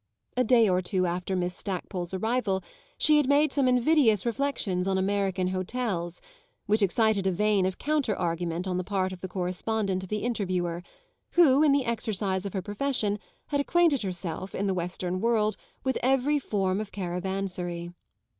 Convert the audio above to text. A day or two after Miss Stackpole's arrival she had made some invidious reflexions on American hotels, which excited a vein of counter argument on the part of the correspondent of the Interviewer, who in the exercise of her profession had acquainted herself, in the western world, with every form of caravansary.